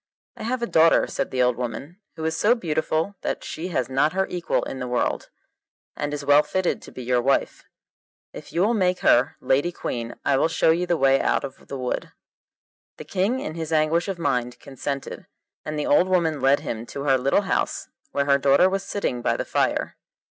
'I have a daughter,' said the old woman, 'who is so beautiful that she has not her equal in the world, and is well fitted to be your wife; if you will make her lady queen I will show you the way out of the wood.' The King in his anguish of mind consented, and the old woman led him to her little house where her daughter was sitting by the fire.